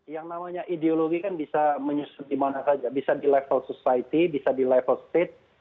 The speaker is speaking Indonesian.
yang namanya ideologi kan bisa menyusut dimana saja bisa di level society bisa di level state